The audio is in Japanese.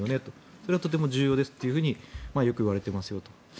それはとても重要ですとよく言われていますよと。